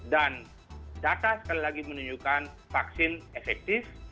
dan data sekali lagi menunjukkan vaksin efektif